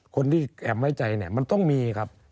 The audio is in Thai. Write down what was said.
คนที่แอมไว้ใจเนี่ยมันต้องมีครับ